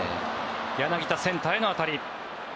柳田センターへの当たり。